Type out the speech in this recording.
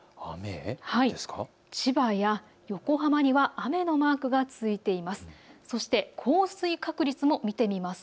千葉や横浜には雨のマークがついています。